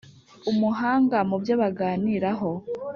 Umuhanga mu byo baganiraho